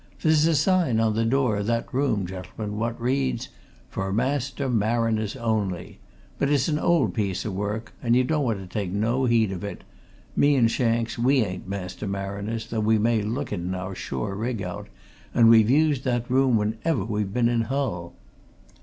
There's a sign on the door o' that room, gentlemen, what reads 'For Master Mariners Only,' but it's an old piece of work, and you don't want to take no heed of it me and Shanks we ain't master mariners, though we may look it in our shore rig out, and we've used that room whenever we've been in Hull.